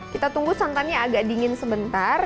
kita tunggu santannya agak dingin sebentar